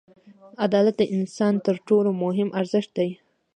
• عدالت د انسان تر ټولو مهم ارزښت دی.